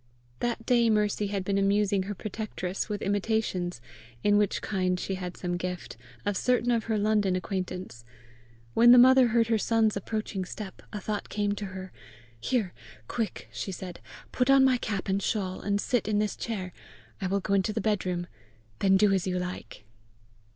That day Mercy had been amusing her protectress with imitations, in which kind she had some gift, of certain of her London acquaintance: when the mother heard her son's approaching step, a thought came to her. "Here! Quick!" she said; "Put on my cap and shawl, and sit in this chair. I will go into the bedroom. Then do as you like."